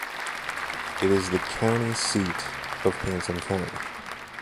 It is the county seat of Hanson County.